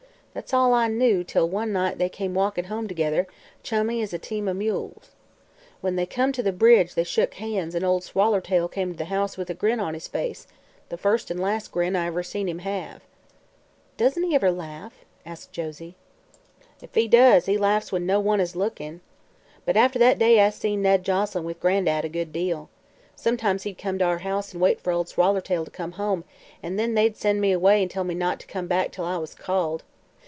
That's all I knew till one night they come walkin' home together, chummy as a team o' mules. When they come to the bridge they shook hands an' Ol' Swallertail come to the house with a grin on his face the first an' last grin I ever seen him have." "Doesn't he ever laugh?" asked Josie. "If he does, he laughs when no one is lookin'. But after that day I seen Ned Joselyn with Gran'dad a good deal. Sometimes he'd come to our house an' wait fer Ol' Swallertail to come home, an' they'd send me away an' tell me not to come back till I was called.